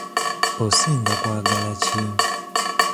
Osinga kwagala ki?